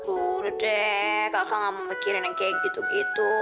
udah deh kakak gak mau mikirin yang kayak gitu gitu